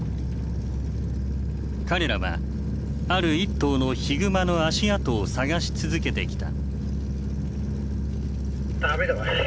彼らはある一頭のヒグマの足跡を探し続けてきた。